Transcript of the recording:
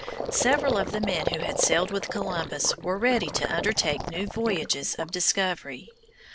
Several of the men who had sailed with Columbus were ready to undertake new voyages of discovery.